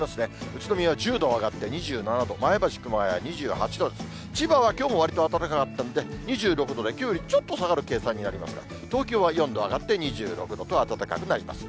宇都宮は１０度上がって２７度、前橋、熊谷２８度、千葉はきょうわりと暖かったんで、２６度できょうよりちょっと下がる計算になりますが、東京は４度上がって２６度と暖かくなります。